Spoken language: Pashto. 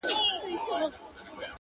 اړولي يې پيسې وې تر ملكونو؛؛!